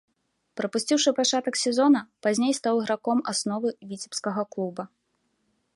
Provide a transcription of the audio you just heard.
Прапусціўшы пачатак сезона, пазней стаў іграком асновы віцебскага клуба.